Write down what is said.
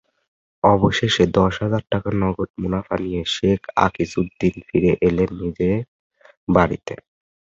অবশেষে দশ হাজার টাকার নগদ মুনাফা নিয়ে শেখ আকিজউদ্দীন ফিরে এলেন নিজের বাড়িতে।